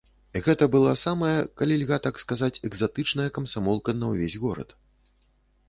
Гэта была самая, калі льга так сказаць, экзатычная камсамолка на ўвесь горад.